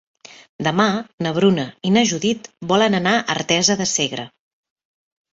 Demà na Bruna i na Judit volen anar a Artesa de Segre.